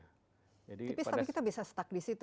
tipis tapi kita bisa stuck di situ